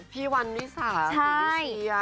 พี่วันวิสาพี่เชียร์